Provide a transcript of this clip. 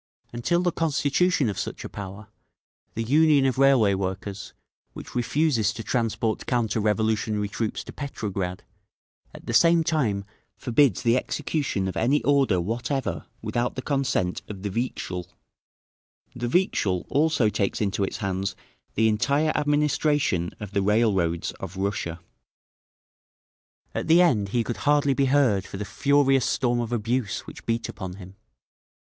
Until the constitution of such a power, the Union of Railway Workers, which refuses to transport counter revolutionary troops to Petrograd, at the same time forbids the execution of any order whatever without the consent of the Vikzhel. The Vikzhel also takes into its hands the entire administration of the railroads of Russia." At the end he could hardly be heard for the furious storm of abuse which beat upon him.